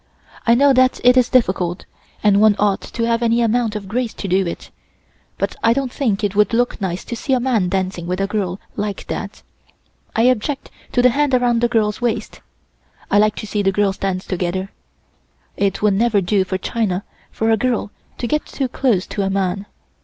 I know that it is difficult and one ought to have any amount of grace to do it, but I don't think it would look nice to see a man dancing with a girl like that. I object to the hand around the girl's waist; I like to see the girls dance together. It would never do for China for a girl to get too close to a man.